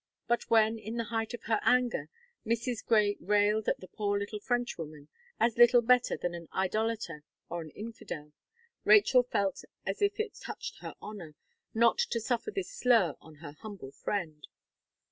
But when, in the height of her anger, Mrs. Gray railed at the poor little Frenchwoman, as little better than an idolater or an infidel, Rachel felt as if it touched her honour, not to suffer this slur on her humble friend.